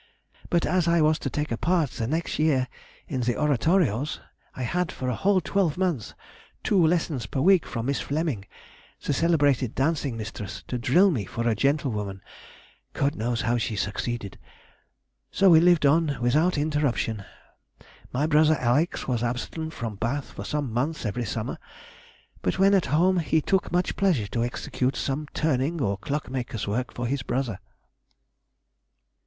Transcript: But as I was to take a part the next year in the oratorios, I had for a whole twelvemonth two lessons per week from Miss Fleming, the celebrated dancing mistress, to drill me for a gentlewoman (God knows how she succeeded). So we lived on without interruption. My brother Alex was absent from Bath for some months every summer, but when at home he took much pleasure to execute some turning or clockmaker's work for his brother."